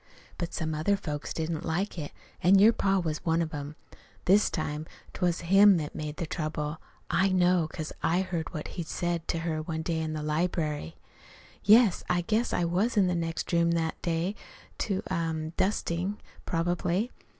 But some other folks didn't like it. An' your pa was one of them. This time 't was him that made the trouble. I know, 'cause I heard what he said one day to her in the library. "Yes, I guess I was in the next room that day, too er dustin', probably.